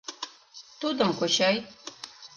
— Тудым, кочай.